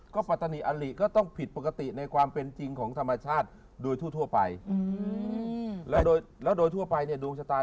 ก็ปัตนิอลิก็ต้องผิดปกติในความเป็นจริงของธรรมชาติโดยทั่วไปแล้วโดยแล้วโดยทั่วไปเนี่ยดวงชะตา